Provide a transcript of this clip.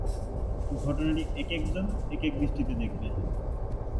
ঘটনাটি একেক জন একেক দৃষ্টিতে দেখে।